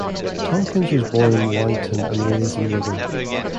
Tomkins was born in Warrington and raised in Wigan.